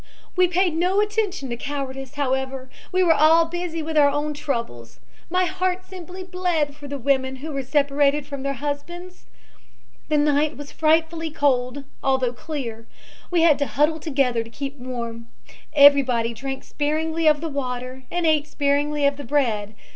We paid no attention to cowardice, however. We were all busy with our own troubles. My heart simply bled for the women who were separated from their husbands. "The night was frightfully cold, although clear. We had to huddle together to keep warm. Everybody drank sparingly of the water and ate sparingly of the bread.